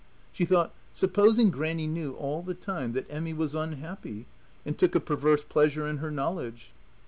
She thought: Supposing Grannie knew all the time that Emmy was unhappy, and took a perverse pleasure in her knowledge?